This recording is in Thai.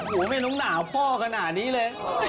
หัวแม่นุ่งหน่าพ่อก็หน่านี้เลย